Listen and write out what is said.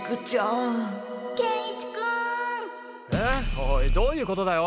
おいどういうことだよ！